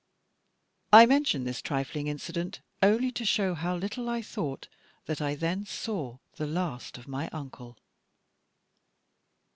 I mention this trifling incident only to show how little I thought that I then saw the last of my Uncle.